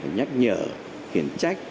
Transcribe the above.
nhắc nhở khiến trách